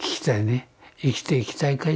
生きていきたいかい？